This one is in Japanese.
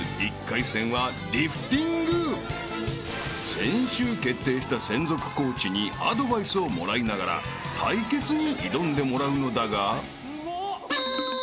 ［先週決定した専属コーチにアドバイスをもらいながら対決に挑んでもらうのだが］